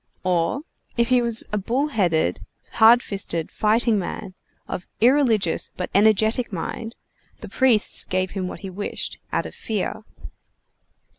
Or, if he was a bull headed, hard fisted, fighting man, of irreligious but energetic mind, the priests gave him what he wished, out of fear.